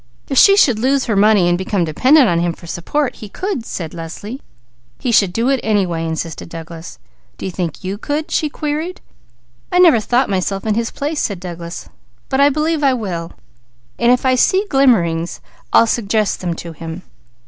"If she should lose her money and become dependent upon him for support, he could!" said Leslie. "He should do it anyway," insisted Douglas. "Do you think you could?" she queried. "I never thought myself in his place," said Douglas, "but I believe I will, and if I see glimmerings, I'll suggest them to him."